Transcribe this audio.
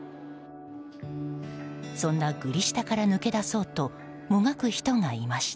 そんなグリ下から抜け出そうともがく人がいました。